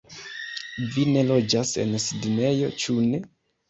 Vi ne loĝas en Sidnejo, ĉu ne?